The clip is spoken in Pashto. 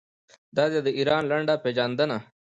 دا دی د ایران لنډه پیژندنه.